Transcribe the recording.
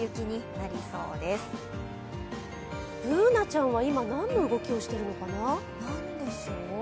Ｂｏｏｎａちゃんは今、何の動きをしているのかな。